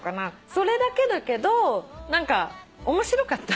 それだけだけど何か面白かった。